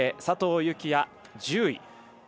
佐藤幸椰、１０位。